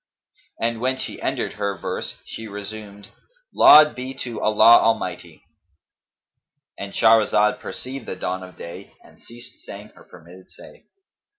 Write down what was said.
And when she ended her verse she resumed, 'Laud be to Allah Almighty,'" —And Shahrazad perceived the dawn of day and ceased saying her permitted say.